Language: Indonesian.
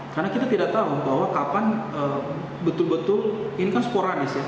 karena kita tidak tahu bahwa kapan betul betul ini kan sporadis ya